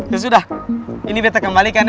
ya sudah ini beta kembalikan ya